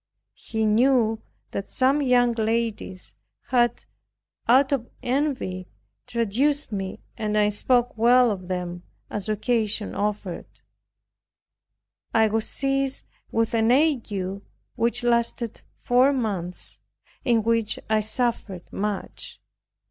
He knew that some young ladies had, out of envy, traduced me and that I spoke well of them as occasion offered. I was seized with an ague, which lasted four months, in which I suffered much.